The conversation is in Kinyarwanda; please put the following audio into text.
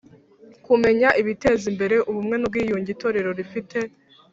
Kumenya ibiteza imbere ubumwe n ubwiyunge Itorero rifite